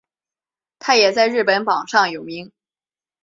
它也在日本榜上有名。